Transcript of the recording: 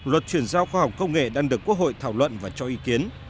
luật chuyển giao khoa học công nghệ đang được quốc hội thảo luận và cho ý kiến